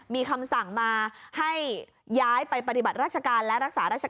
มีคำสั่งมาให้ย้ายไปปฏิบัติราชการและรักษาราชการ